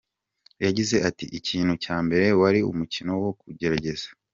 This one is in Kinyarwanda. Yagize ati:” Ikintu cya mbere, wari umukino wo kugerageza.